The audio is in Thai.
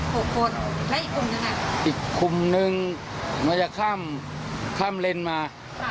หกคนและอีกกลุ่มหนึ่งอ่ะอีกกลุ่มนึงมันจะข้ามข้ามเลนมา